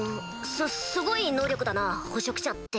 すすごい能力だな捕食者って。